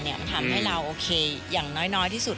มันทำให้เราโอเคอย่างน้อยที่สุด